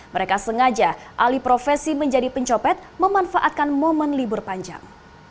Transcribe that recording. mereka sengaja alih profesi menjadi pencopet memanfaatkan momen libur panjang